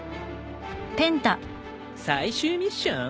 最終ミッション？